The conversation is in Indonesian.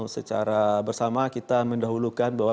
secara bersama kita mendahulukan bahwa